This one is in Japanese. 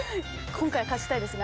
今回勝ちたいですね